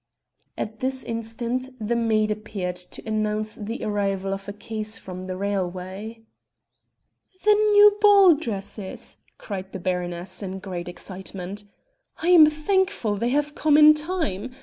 At this instant the maid appeared to announce the arrival of a case from the railway. "The new ball dresses!" cried the baroness in great excitement. "I am thankful they have come in time.